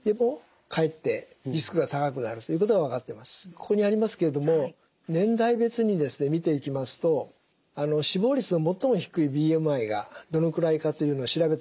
ここにありますけれども年代別に見ていきますと死亡率の最も低いＢＭＩがどのくらいかというのを調べたデータがあるんですね。